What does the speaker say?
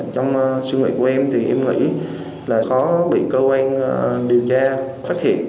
trong suy nghĩ của em thì em nghĩ là khó bị cơ quan điều tra phát hiện